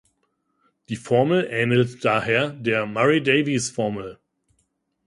Die Formel ähnelt daher der Murray-Davies-Formel.